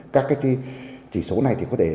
các chỉ số này có thể